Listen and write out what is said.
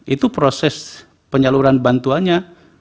itu proses penyaluran bantuannya